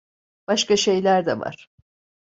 Başka şeyler de var.